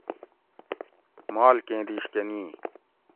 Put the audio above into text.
مال کیں دیش کہ نی